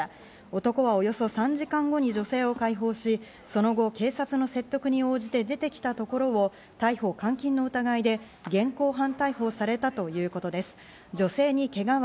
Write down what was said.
男はおよそ３時間後に女性を解放し、その後、警察の説得に応じて出てきたところを逮捕監禁の疑いで現行犯逮捕されたということです。